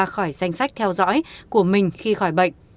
khỏi danh sách theo dõi của mình khi khỏi bệnh